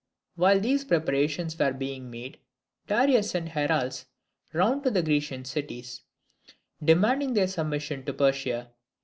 While these preparations were being made, Darius sent heralds round to the Grecian cities demanding their submission to Persia.